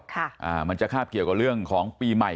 อ่ามันจะคาบเกี่ยวกับเรื่องของปีใหม่